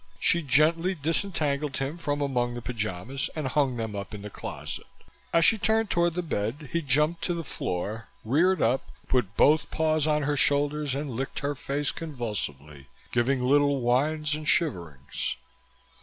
She gently disentangled him from among the pyjamas and hung them up in the closet. As she turned toward the bed, he jumped to the floor, reared up, put both paws on her shoulders and licked her face convulsively, giving little whines and shiverings.